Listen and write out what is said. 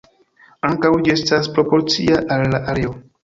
Ankaŭ ĝi estas proporcia al la areo.